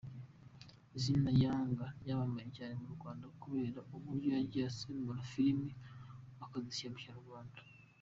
Izina Younger ryamamaye cyane mu Rwanda kubera uburyo yagiye asemura film akazishyira mu Kinyarwanda.